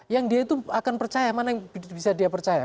yang dia itu akan percaya mana yang bisa dia percaya